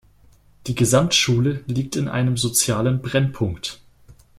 Die Gesamtschule liegt in einem sozialen Brennpunkt.